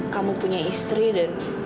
kamu punya istri dan